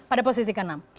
pada posisi keenam